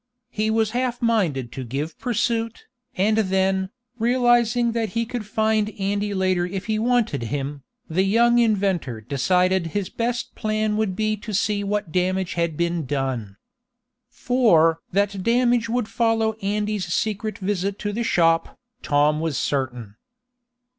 He was half minded to give pursuit, and then, realizing that he could find Andy later if he wanted him, the young inventor decided his best plan would be to see what damage had been done. For that damage would follow Andy's secret visit to the shop, Tom was certain.